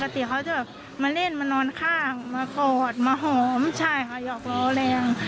ปกติเขาจะแบบมาเล่นมานอนข้างมากอดมาหอมใช่ค่ะหยอกล้อแรง